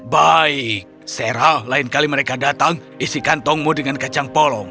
baik serah lain kali mereka datang isi kantongmu dengan kacang polong